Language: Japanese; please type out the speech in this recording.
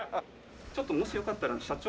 ちょっともしよかったら社長も。